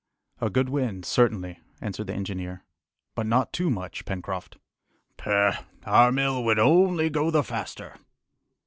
"A good wind, certainly," answered the engineer, "but not too much, Pencroft." "Pooh! our mill would only go the faster!"